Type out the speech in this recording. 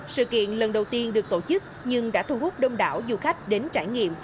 sự kiện lần đầu tiên được tổ chức nhưng đã thu hút đông đảo du khách đến trải nghiệm